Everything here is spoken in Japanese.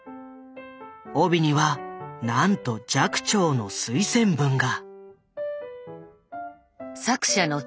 帯にはなんと寂聴の推薦文が。